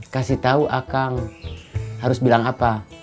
kasih tahu akang harus bilang apa